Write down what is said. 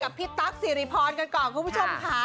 พี่ตั๊กสิริพรกันก่อนคุณผู้ชมค่ะ